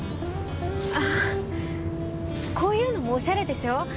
あこういうのもおしゃれでしょ？